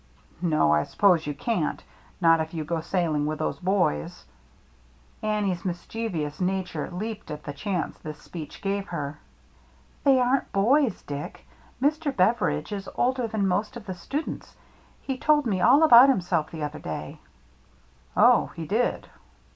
^* No, I suppose you can't — not if you go sailing with those boys." Annie's mischievous nature leaped at the chance this speech gave her. "They aren't boys, Dick ; Mr. Beveridge is older than most of the students. He told mc all about him self the other day." "Oh, he did."